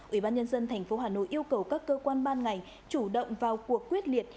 ủy ban nhân dân tp hà nội yêu cầu các cơ quan ban ngành chủ động vào cuộc quyết liệt